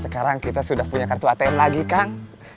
sekarang kita sudah punya kartu atm lagi kang